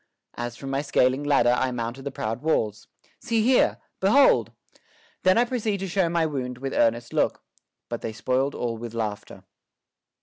As from my scaling ladder I mounted the proud walls. See here ! Behold ! Then I proceed to show my wound With earnest look; but they spoiled all with laughter.